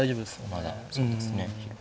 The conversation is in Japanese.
まだそうですね。